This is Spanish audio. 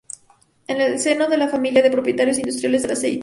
En el seno de una familia de propietarios e industriales del aceite.